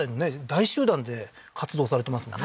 大集団で活動されてますもんね